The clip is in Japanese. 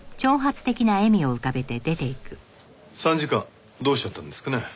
参事官どうしちゃったんですかね？